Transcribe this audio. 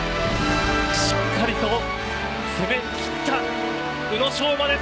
しっかりと攻め切った宇野昌磨です。